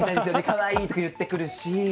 かわいい！」とか言ってくるし。